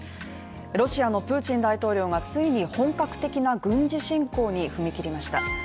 ロシアのプーチン大統領がついに本格的な軍事侵攻に踏み切りました。